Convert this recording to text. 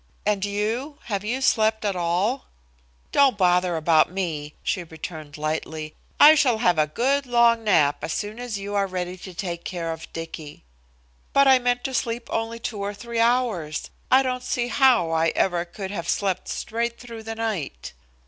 And you? Have you slept at all?" "Don't bother about me," she returned lightly. "I shall have a good long nap as soon as you are ready to take care of Dicky." "But I meant to sleep only two or three hours. I don't see how I ever could have slept straight through the night."